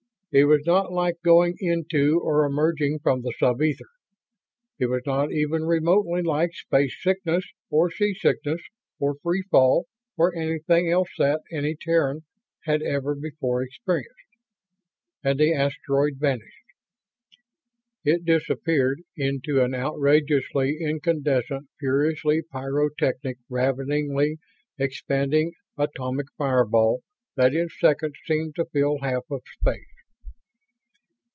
It was not like going into or emerging from the sub ether. It was not even remotely like space sickness or sea sickness or free fall or anything else that any Terran had ever before experienced. And the asteroid vanished. It disappeared into an outrageously incandescent, furiously pyrotechnic, raveningly expanding atomic fireball that in seconds seemed to fill half of space.